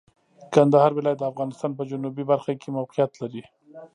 کندهار ولایت د افغانستان په جنوبي برخه کې موقعیت لري.